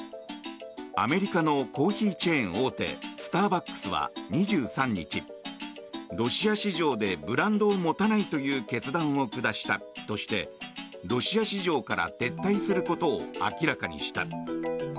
アメリカのコーヒーチェーン大手スターバックスは２３日ロシア市場でブランドを持たないという決断を下したとしてロシア市場から撤退することを明らかにした。